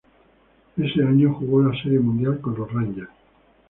Este año jugó la Serie Mundial con los Rangers.